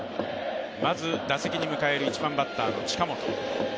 まず打席に迎える１番バッターの近本。